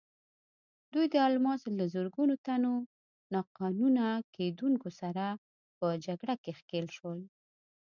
دوی د الماسو له زرګونو تنو ناقانونه کیندونکو سره په جګړه کې ښکېل شول.